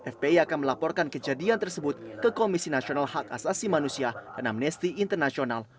fpi akan melaporkan kejadian tersebut ke komisi nasional hak asasi manusia dan amnesty international